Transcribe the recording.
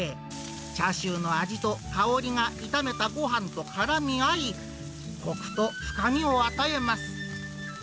チャーシューの味と香りが炒めたごはんとからみ合い、こくと深みを与えます。